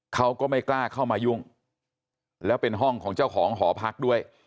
เขาก็ไม่กล้าเข้ามายุ่งแล้วเป็นห้องของเจ้าของหอพักด้วย